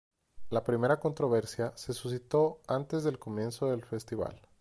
La primera controversia se suscitó antes del comienzo del festival.